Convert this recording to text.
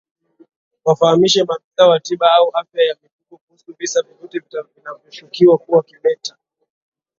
Wafahamishe maafisa wa tiba au afya ya mifugo kuhusu visa vyovyote vinavyoshukiwa kuwa kimeta